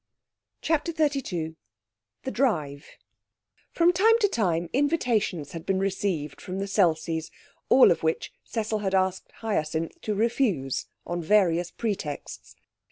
CHAPTER XXXII The Drive From time to time invitations had been received from the Selseys, all of which Cecil had asked Hyacinth to refuse on various pretexts.